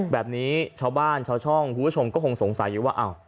แบบนี้ชาวบ้านชาวช่องคุณผู้ชมก็คงสงสัยอยู่ว่า